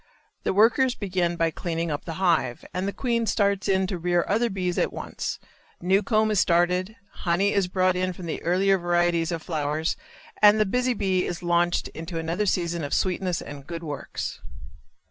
The workers begin by cleaning up the hive, and the queen starts in to rear other bees at once; new comb is started, honey is brought in from the earlier varieties of flowers and the busy bee is launched into another season of sweetness and good works.